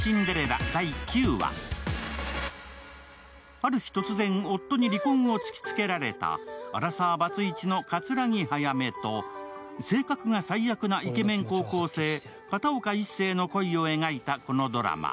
ある日、突然夫に離婚を突きつけられたアラサー・バツイチの桂木早梅と性格が最悪なイケメン高校生・片岡壱成の恋を描いたこのドラマ。